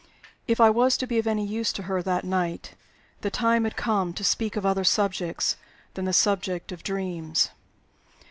If I was to be of any use to her that night, the time had come to speak of other subjects than the subject of dreams.